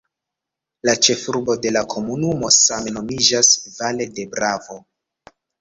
La ĉefurbo de la komunumo same nomiĝas "Valle de Bravo".